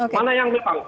mana yang memang